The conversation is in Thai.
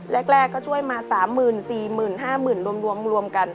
แรกก็ช่วยมา๓๐๐๐๐๔๐๐๐๐๕๐๐๐๐รวมกัน